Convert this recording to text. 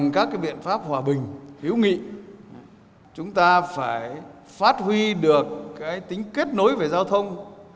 các biện pháp hòa bình hữu nghị chúng ta phải phát huy được tính kết nối về giao thông